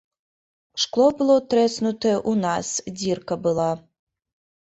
Шкло было трэснутае ў нас, дзірка была.